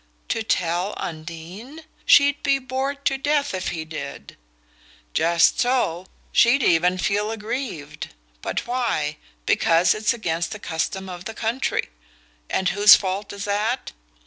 "To tell Undine? She'd be bored to death if he did!" "Just so; she'd even feel aggrieved. But why? Because it's against the custom of the country. And whose fault is that?